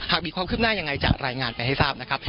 หากมีความคืบหน้ายังไงจะรายงานไปให้ทราบนะครับ